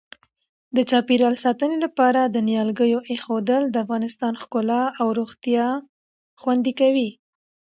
د چاپیریال ساتنې لپاره د نیالګیو اېښودل د افغانستان ښکلا او روغتیا خوندي کوي.